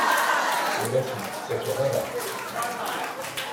Ur asent-t-ttakkeɣ ara.